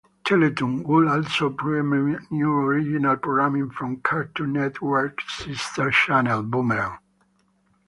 Teletoon would also premiere new original programming from Cartoon Network's sister channel, Boomerang.